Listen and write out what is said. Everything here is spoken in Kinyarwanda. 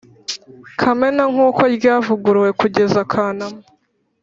Kamena nkuko ryavuguruwe kugeza kanama